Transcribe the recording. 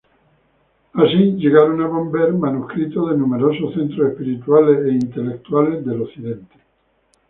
Así manuscritos de numerosos centros espirituales e intelectuales del Occidente llegaron a Bamberg.